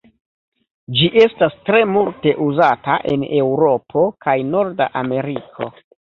Ĝi estas tre multe uzata en Eŭropo kaj Norda Ameriko.